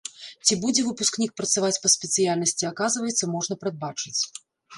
Ці будзе выпускнік працаваць па спецыяльнасці, аказваецца, можна прадбачыць.